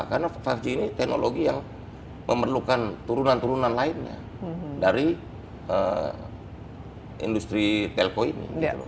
karena lima g ini teknologi yang memerlukan turunan turunan lainnya dari industri telkom ini